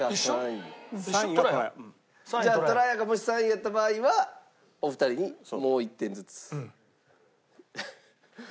じゃあとらやがもし３位やった場合はお二人にもう１点ずつ。